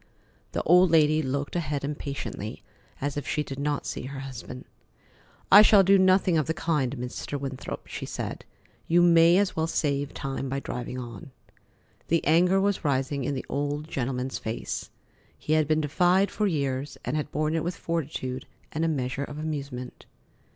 The old lady looked ahead impatiently, as if she did not see her husband. "I shall do nothing of the kind, Mr. Winthrop," she said. "You may as well save time by driving on." The anger was rising in the old gentleman's face. He had been defied for years and had borne it with fortitude and a measure of amusement.